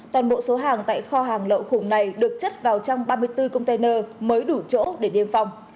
toàn bộ số hàng tại kho hàng lậu khủng này được chất vào trong ba mươi bốn container mới đủ chỗ để niêm phong